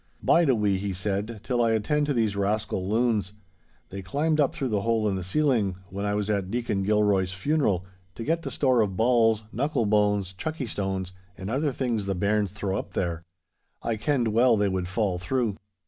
'Bide a wee,' he said, 'till I attend to these rascal loons. They climbed up through the hole in the ceiling, when I was at Deacon Gilroy's funeral, to get the store of balls, knuckle bones, chuckie stones, and other things the bairns throw up there. I kenned well they would fall through.